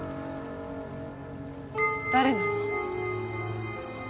誰なの？